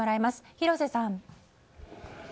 広瀬さん。